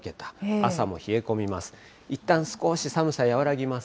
朝も冷え込みます。